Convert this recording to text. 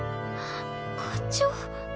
課長。